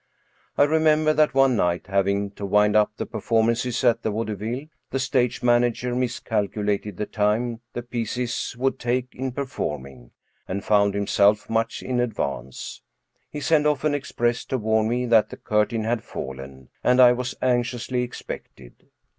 I remember that, one night, having to wind up the performances at the Vaudeville, the stage manager miscalculated the time the pieces would take in performing, and found himself much in advance. He sent off an express to warn me that the curtain had fallen, and I was anxiously expected.